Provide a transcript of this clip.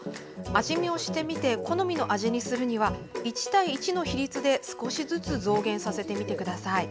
味見をしてみて好みの味にするには１対１の比率で少しずつ増減させてみてください。